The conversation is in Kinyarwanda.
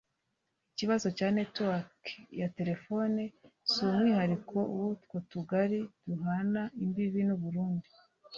Ikibazo cya network ya telefoni si umwihariko w’utwo tugari duhana imbibe n’u Burundi